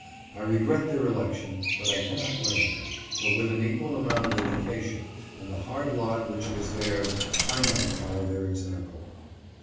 I regret their election, but I cannot blame them; for with an equal amount of education, and the hard lot which was theirs, I might follow their example.